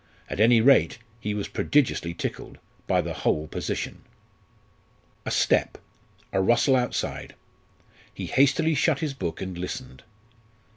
At any rate, he was prodigiously tickled by the whole position. A step, a rustle outside he hastily shut his book and listened.